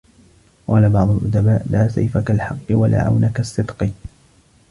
وَقَالَ بَعْضُ الْأُدَبَاءِ لَا سَيْفَ كَالْحَقِّ ، وَلَا عَوْنَ كَالصِّدْقِ